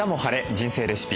人生レシピ」。